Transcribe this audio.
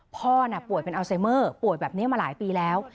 พ่อป่วยเป็นอัลไซเมอร์ป่วยแบบนี้มาหลายปีแล้ว